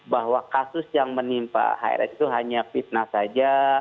bahwa kasus yang menimpa hrs itu hanya fitnah saja